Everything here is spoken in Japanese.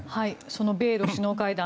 その米ロ首脳会談